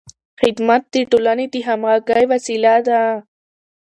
خدمت د ټولنې د همغږۍ وسیله ده.